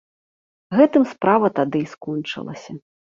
Гэтым справа тады і скончылася.